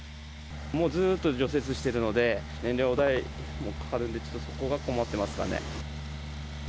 もうずっと除雪してるので、燃料代もかかるんで、ちょっとそこが困ってますかね。